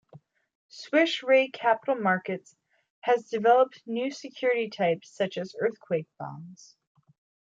Swiss Re Capital Markets has developed new security types such as earthquake bonds.